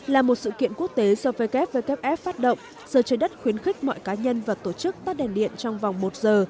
là một sự kiện quốc tế do wwf phát động giờ trái đất khuyến khích mọi cá nhân và tổ chức tắt đèn điện trong vòng một giờ